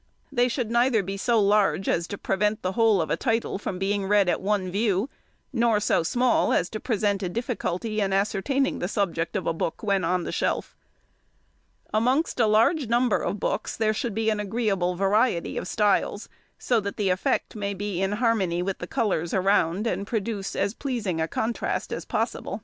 They should neither be so large as to prevent the whole of the title being read at one view, nor so small as to present a difficulty in ascertaining the subject of a book when on the shelf. |118| Amongst a large number of books there should be an agreeable variety of styles, so that the effect may be in harmony with the colours around, and produce as pleasing a contrast as possible.